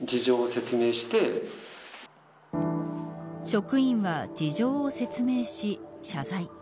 職員は事情を説明し謝罪。